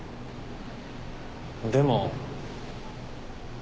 でも。